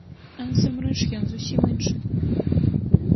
А насамрэч ён зусім іншы.